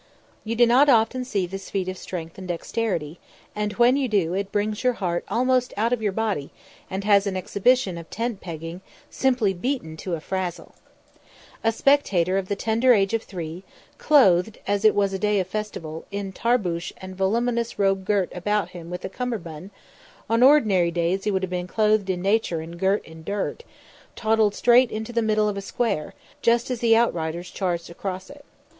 You do not often see this feat of strength and dexterity, and when you do, it brings your heart almost out of your body and has an exhibition of tent pegging simply beaten to a frazzle. A spectator of the tender age of three, clothed as it was a day of festival in tarbusch and voluminous robe girt about him with a cummerbund on ordinary days he would have been clothed in nature and girt in dirt toddled straight into the middle of a square, just as the outriders charged across it.